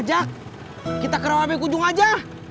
jak kita ke rumah hp kunjung aja